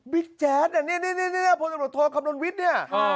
บิ๊กแจ๊ดนี่พ่อจับโทรคำนวนวิทย์เนี่ย